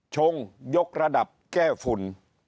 ชงยกระดับแก้ฝุ่น